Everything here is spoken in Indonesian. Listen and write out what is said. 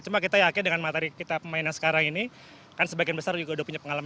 cuma kita yakin dengan materi kita pemain yang sekarang ini kan sebagian besar juga udah punya pengalaman